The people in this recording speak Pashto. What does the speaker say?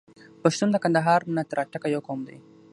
پښتون د کندهار نه تر اټکه یو قوم دی.